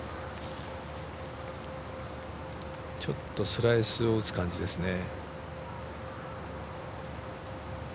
ちょっとスライスを打つ感じですね。